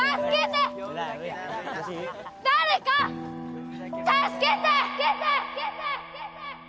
誰か助けて！